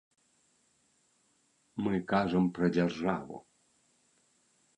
Мы кажам пра дзяржаву.